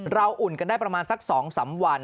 อุ่นกันได้ประมาณสัก๒๓วัน